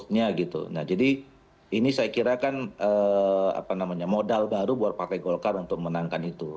nah jadi ini saya kira kan modal baru buat partai golkar untuk menangkan itu